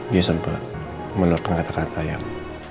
dia sempet melakukan kata kata yang